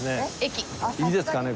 いいですかね？